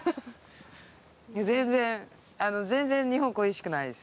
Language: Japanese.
全然全然日本恋しくないです。